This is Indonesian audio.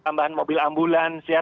tambahan mobil ambulans ya